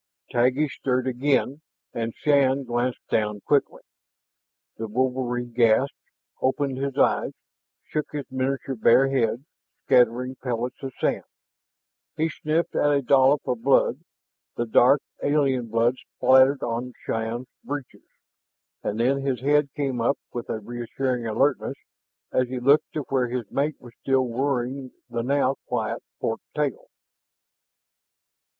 Taggi stirred again, and Shann glanced down quickly. The wolverine gasped, opened his eyes, shook his miniature bear head, scattering pellets of sand. He sniffed at a dollop of blood, the dark, alien blood, spattered on Shann's breeches, and then his head came up with a reassuring alertness as he looked to where his mate was still worrying the now quiet fork tail.